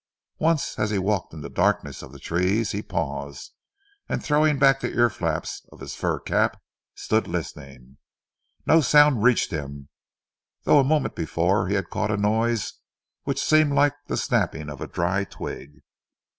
Once, as he walked in the darkness of the trees, he paused, and throwing back the ear flaps of his fur cap, stood listening. No sound reached him, though a moment before he had caught a noise which had seemed like the snapping of a dry twig.